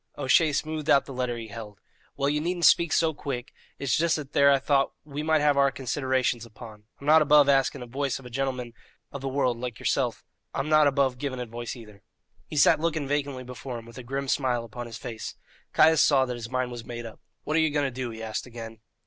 O'Shea smoothed out the letter he held. "Well, you needn't speak so quick; it's just that there I thought we might have our considerations upon. I'm not above asking advoice of a gintleman of the world like yerself; I'm not above giving advoice, neither." He sat looking vacantly before him with a grim smile upon his face. Caius saw that his mind was made up. "What are you going to do?" he asked again.